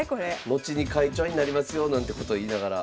後に会長になりますよなんてこと言いながら。